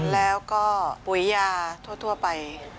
แล้วก็ปุ๋ยยาทั่วไป